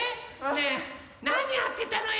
ねえなにやってたのよ？